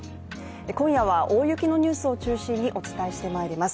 今夜は、大雪のニュースを中心にお伝えしてまいります。